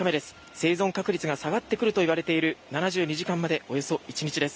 生存確率が下がってくるといわれる７２時間までおよそ１日です。